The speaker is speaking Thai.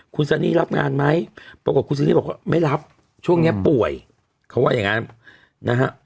คุณซันนี่รับงานไหมปรากฏคุณซันนี่บอกว่าไม่รับช่วงนี้ป่วยเขาว่าอย่างนั้นนะฮะ